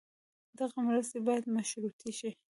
دغه مرستې باید مشروطې شي.